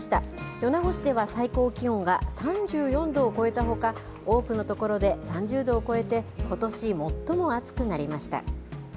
米子市では最高気温が３４度を超えたほか、多くの所で３０度を超えて、ことし最も暑くなりました。